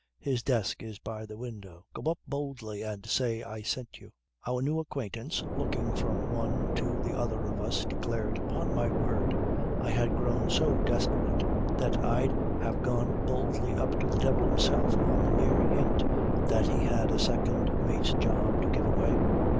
His desk is by the window. Go up boldly and say I sent you." Our new acquaintance looking from one to the other of us declared: "Upon my word, I had grown so desperate that I'd have gone boldly up to the devil himself on the mere hint that he had a second mate's job to give away."